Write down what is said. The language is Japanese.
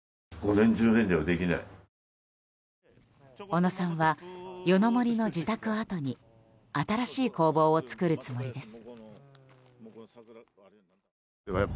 小野さんは夜の森の自宅跡に新しい工房を作るつもりです。